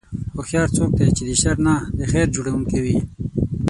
هوښیار څوک دی چې د شر نه د خیر جوړوونکی وي.